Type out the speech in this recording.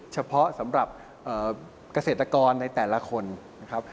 เฉพาะสำหรับเกษตรกรในแต่ละคนนะครับ